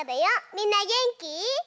みんなげんき？